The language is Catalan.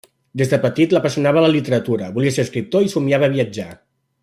Des de petit, l'apassionava la literatura, volia ser escriptor i somiava viatjar.